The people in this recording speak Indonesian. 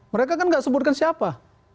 mereka kan nggak sebutkan siapa